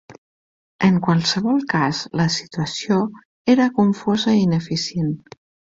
En qualsevol cas, la situació era confosa i ineficient.